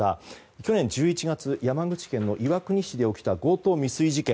去年１１月山口県岩国市で起きた強盗未遂事件。